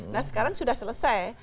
nah sekarang sudah selesai